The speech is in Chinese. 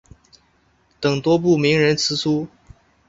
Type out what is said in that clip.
等多部名人辞书。